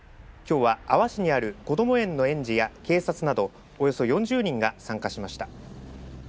きょうは阿波市にあるこども園の園児や警察などおよそ４０人が参加しました。